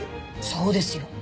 そうですよ。